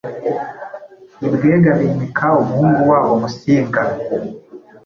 ibwega bimika umuhungu wabo Musinga.